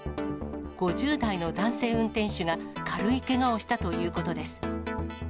５０代の男性運転手が軽いけがをしたということです。